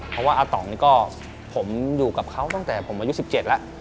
เพราะว่าอาตองนี่ก็ผมอยู่กับเขาตั้งแต่ผมอายุ๑๗แล้ว